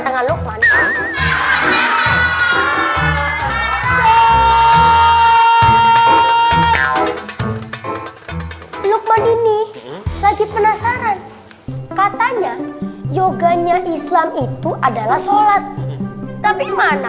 tangan lukman ini lagi penasaran katanya yoganya islam itu adalah sholat tapi mana